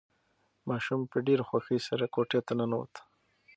ماشوم په ډېرې خوښۍ سره کوټې ته ننوت.